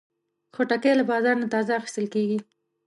خټکی له بازار نه تازه اخیستل کېږي.